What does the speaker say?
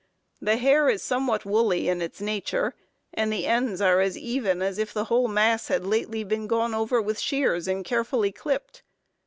The hair is somewhat woolly in its nature, and the ends are as even as if the whole mass had lately been gone over with shears and carefully clipped.